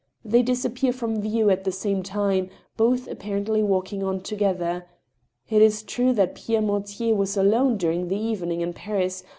They disappear from view at the same time, both appar ently walking on together. It is true that Pierre Mortier was alone during the evening in Paris